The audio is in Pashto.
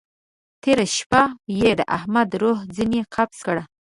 تېره شپه يې د احمد روح ځينې قبض کړه.